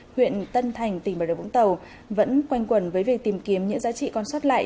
huyện tân thành tỉnh bà điều vũng tàu vẫn quanh quần với việc tìm kiếm những giá trị còn xót lại